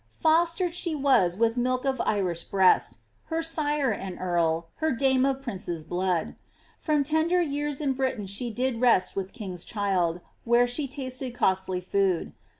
Fostered she i^'as with milk oflrish breast; Her sire an earl ;• her dame of princes* blood.* From tender years in Britain she did rest With kings child,* where she tasted costly food.